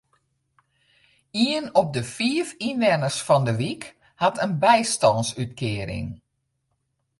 Ien op de fiif ynwenners fan de wyk hat in bystânsútkearing.